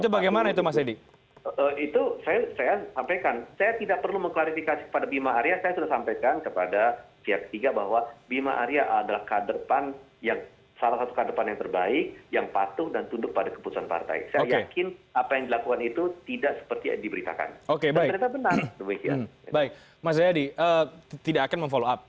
baik mas zayadi tidak akan mem follow up